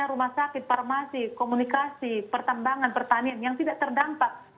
rumah sakit farmasi komunikasi pertambangan pertanian yang tidak terdampak